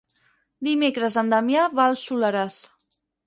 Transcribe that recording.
Dimecres en Damià va al Soleràs.